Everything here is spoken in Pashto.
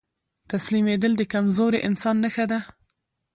تسليمېدل د کمزوري انسان نښه ده.